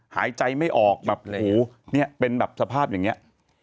หายใจไม่ออกแบบหูเป็นแบบสภาพอย่างเนี่ย